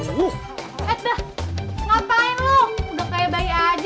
ngapain lu udah kaya bayi aja